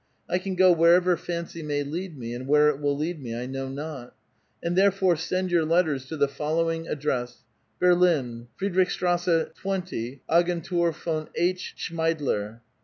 I can go wherever fancy ma}' lead me, and where it will lead me I know not ; and therefore send your letters to the follow ing address : Berlin, Friedrich Strasse 20, Agentur von H. Schraeidler.